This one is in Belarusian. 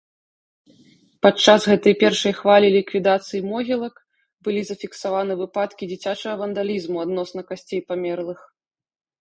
Падчас гэтай першай хвалі ліквідацыі могілак былі зафіксаваны выпадкі дзіцячага вандалізму адносна касцей памерлых.